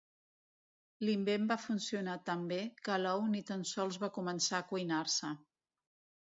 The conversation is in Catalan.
L'invent va funcionar tan ben que l'ou ni tan sols va començar a cuinar-se.